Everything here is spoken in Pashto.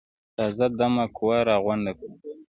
تازه دمه قوه راغونډه کړه.